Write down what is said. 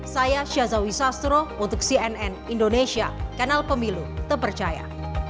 saya syazawi sastro untuk cnn indonesia kanal pemilu terpercaya